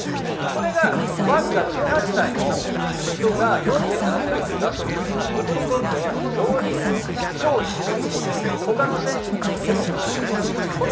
それがわずか１８歳の人が４７点まで出すというのは僕にとっては非常に脅威ですし他の選手にとっても驚異だと思います。